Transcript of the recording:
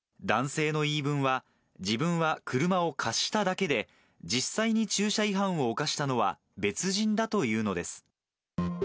男性の言い分は、自分は車を貸しただけで、実際に駐車違反を犯したのは、別人だというのです。